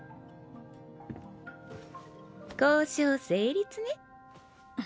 交渉成立ね。